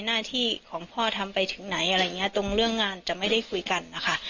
หน้าที่ของพ่อทำไปถึงไหนอะไรอย่างเงี้ยตรงเรื่องงานจะไม่ได้คุยกันนะคะ